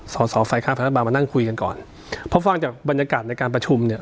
สอสอฝ่ายค้านบาลมานั่งคุยกันก่อนเพราะฟังจากบรรยากาศในการประชุมเนี่ย